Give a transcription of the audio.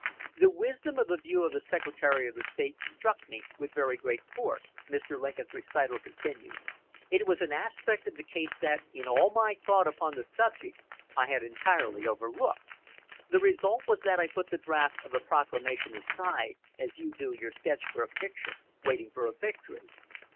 "The wisdom of the view of the Secretary of State struck me with very great force," Mr. Lincoln's recital continues. "It was an aspect of the case that, in all my thought upon the subject, I had entirely overlooked. The result was that I put the draft of the proclamation aside, as you do your sketch for a picture, waiting for a victory."